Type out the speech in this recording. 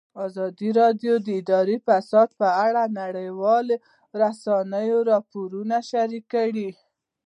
ازادي راډیو د اداري فساد په اړه د نړیوالو رسنیو راپورونه شریک کړي.